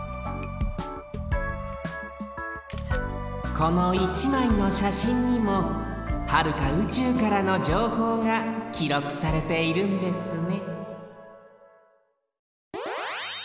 この１まいのしゃしんにもはるかうちゅうからのじょうほうがきろくされているんですね